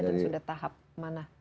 dan sudah tahap mana